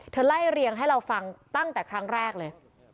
ไล่เรียงให้เราฟังตั้งแต่ครั้งแรกเลย